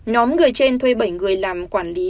nóm người trên thuê bảy người làm quản lý